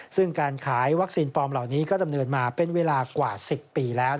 ซึ่งการขายวัคซีนปลอมเหล่านี้ก็ดำเนินมาเป็นเวลากว่า๑๐ปีแล้ว